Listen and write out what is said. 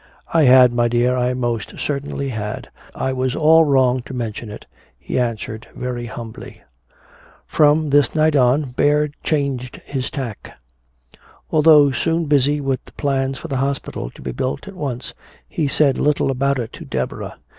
"I had, my dear, I most certainly had. I was all wrong to mention it," he answered very humbly. From this night on, Baird changed his tack. Although soon busy with the plans for the hospital, to be built at once, he said little about it to Deborah.